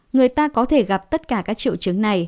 người ta có thể gặp tất cả các triệu chứng này